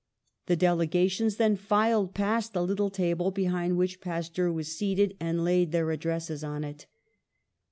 The delegations then filed past the little table behind which Pasteur was seated, and laid their addresses on it.